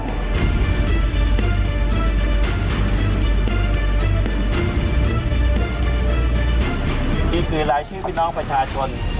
นี่คือรายชื่อพี่น้องประชาชน